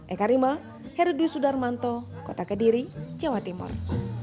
eka rima herudwi sudarmanto kota kediri jawa timur